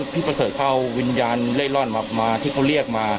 ผมด้วยผมจริง